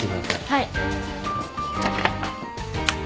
はい。